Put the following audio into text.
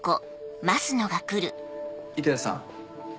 板谷さん